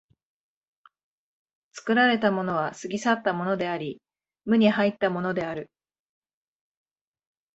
作られたものは過ぎ去ったものであり、無に入ったものである。